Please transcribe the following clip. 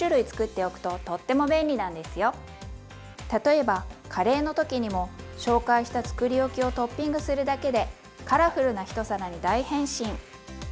例えばカレーの時にも紹介したつくりおきをトッピングするだけでカラフルな１皿に大変身！